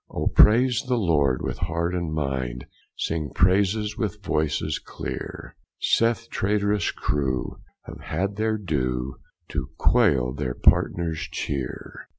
O praise the Lord with hart and minde, Sing praise with voices cleare; Seth traitorous crue, have had their due To quaile their partener's cheere.